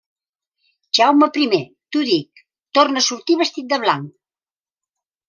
Jaume Primer, t'ho dic, torna a sortir vestit de blanc!